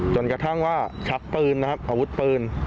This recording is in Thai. จนกระทั่งว่าชักปืนนะครับอาวุธปืน